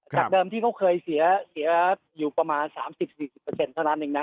จากเดิมที่เขาเคยเสียอยู่ประมาณ๓๐๔๐เท่านั้นเองนะ